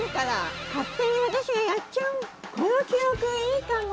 この記憶いいかも。